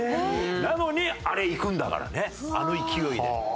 なのにあれいくんだからねあの勢いで。